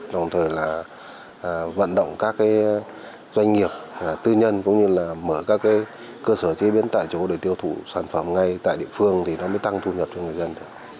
đồng thời là vận động các doanh nghiệp tư nhân cũng như là mở các cơ sở chế biến tại chỗ để tiêu thụ sản phẩm ngay tại địa phương thì nó mới tăng thu nhập cho người dân được